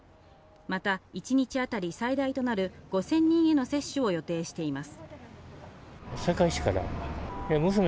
また一日当たり最大となる５０００人への接種を予定しています。